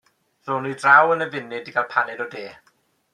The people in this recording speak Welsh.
Ddown nhw draw yn y funud i gael paned o de.